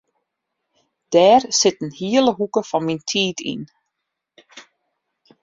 Dêr sit in hiele hoeke fan myn tiid yn.